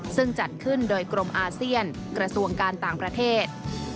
ซึ่งจัดขึ้นโดยกรมอาเซียนกระทรวงการต่างประเทศ